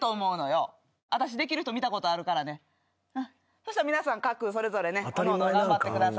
そしたら皆さん各それぞれねおのおの頑張ってください。